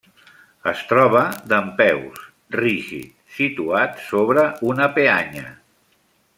Es troba dempeus, rígid, situat sobre una peanya.